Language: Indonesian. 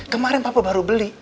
kemarin papa baru beli